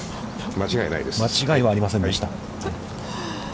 間違いはありませんでした。